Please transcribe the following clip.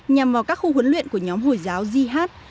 nhằm vào các khu huấn luyện của nhóm hồi giáo jihad